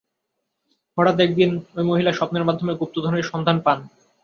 হঠাৎ একদিন ঐ মহিলা স্বপ্নের মাধ্যমে গুপ্তধনের সন্ধান পান।